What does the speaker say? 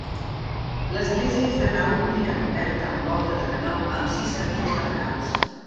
L'església és de nau única coberta amb volta de canó amb sis capelles laterals.